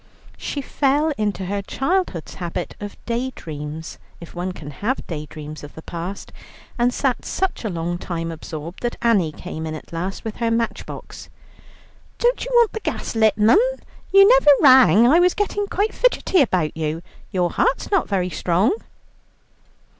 She fell into her childhood's habit of daydreams, if one can have daydreams of the past, and sat such a long time absorbed that Annie came in at last with her matchbox. "Don't you want the gas lit, 'm? You never rang, I was gettin' quite fidgettin' about you, your heart's not very strong."